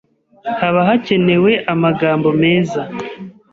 haba hakenewe amagambo meza